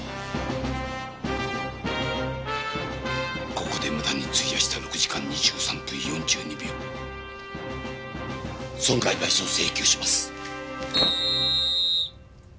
ここで無駄に費やした６時間２３分４２秒損害賠償請求します。